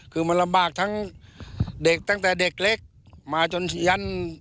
คือมันลำบากทั้งเด็กตั้งแต่เด็กเล็กมาจนยัน